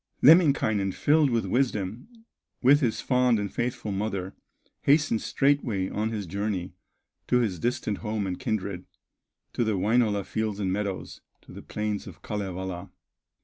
Lemminkainen, filled with wisdom, With his fond and faithful mother, Hastened straightway on his journey To his distant home and kindred, To the Wainola fields and meadows, To the plains of Kalevala.